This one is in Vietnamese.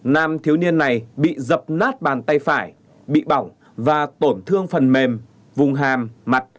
nam thiếu niên này bị dập nát bàn tay phải bị bỏng và tổn thương phần mềm vùng hàm mặt